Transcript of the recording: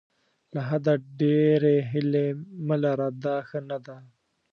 له حده ډېرې هیلې مه لره دا ښه نه ده.